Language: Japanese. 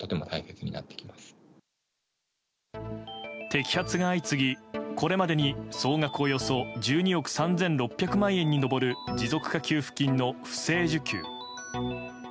摘発が相次ぎ、これまでに総額およそ１２億３６００万円に上る持続化給付金の不正受給。